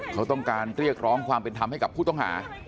เขาต้องการเรียกร้องความเป็นธรรมให้กับผู้ต้องหา